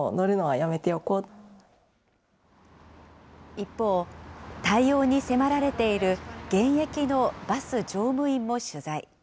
一方、対応に迫られている現役のバス乗務員も取材。